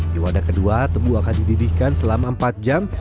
di wadah kedua tebu akan dididihkan selama empat jam